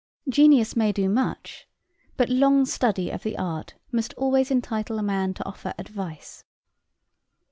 Genius may do much, but long study of the art must always entitle a man to offer advice.